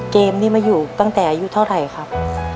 เกมนี้มาอยู่ตั้งแต่อายุเท่าไหร่ครับ